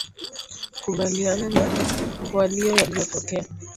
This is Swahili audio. ubaliana na walio yaliotokea